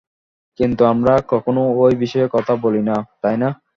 কিন্তু আমরা কখনো এই বিষয়ে কথা বলি না, তাই না?